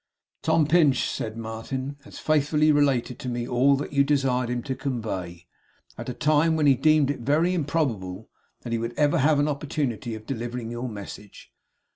'Tom Pinch,' said Martin, 'has faithfully related to me all that you desired him to convey; at a time when he deemed it very improbable that he would ever have an opportunity of delivering your message.